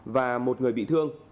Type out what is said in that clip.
và một người bị thương